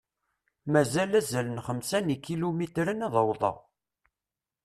Mazal azal n xemsa n ikilumitren ad awḍeɣ.